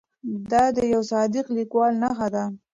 دا د یوه صادق لیکوال نښه ده.